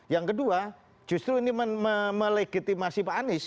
yang kedua justru ini melegitimasi pak anies